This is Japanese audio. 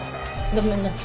ごめんなさい。